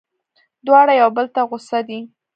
دواړه یو بل ته غوسه دي.